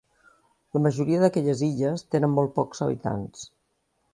La majoria d'aquestes illes tenen molt pocs habitants.